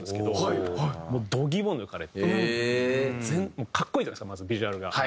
もう格好いいじゃないですかまずビジュアルが。